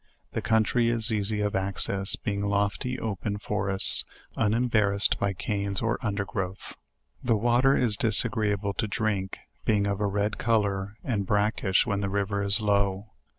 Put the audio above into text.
The country is easy of access, being lofty open forests, unembar rassed by canes or undergrowth. The water is disagreea ble to drink, being of a red color and brackish when the riv er is low.